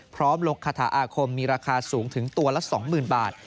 ลงคาถาอาคมมีราคาสูงถึงตัวละ๒๐๐๐บาท